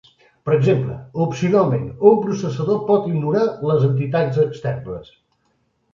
Per exemple, opcionalment, un processador pot ignorar les entitats externes.